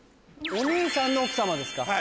お兄さんの奥様ですか？